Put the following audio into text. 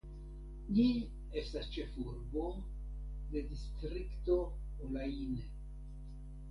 Ĝi estas ĉefurbo de distrikto Olaine.